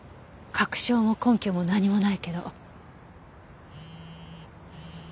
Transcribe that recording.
確証も根拠も何もないけど。